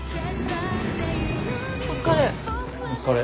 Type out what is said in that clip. ・お疲れ。